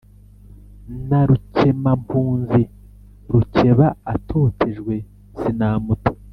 na rukemampunzi, rukeba atotejwe sinamuta